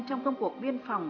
trong công cuộc biên phòng